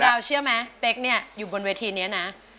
เชื่อไหมเป๊กเนี่ยอยู่บนเวทีนี้นะ